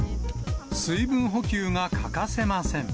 水分補給が欠かせません。